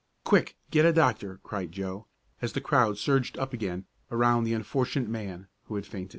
"Quick, get a doctor!" cried Joe, as the crowd surged up again around the unfortunate man, who had fainted.